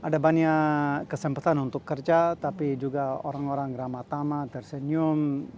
karena kesempatan untuk kerja tapi juga orang orang ramah tamat tersenyum